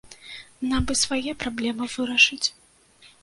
Нам бы свае праблемы вырашыць.